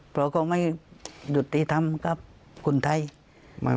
เพราะก็ไม่ดุดที่ทำกับคนไทย